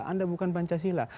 anda bukan pancasila